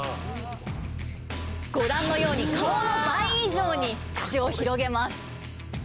ご覧のように顔の倍以上に口を広げます。